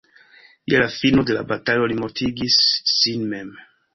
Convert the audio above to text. Je la fino de la batalo li mortigis sin mem.